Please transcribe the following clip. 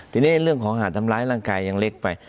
ทีนี้เรื่องของหาดทำร้ายร่างกายยังเล็กไป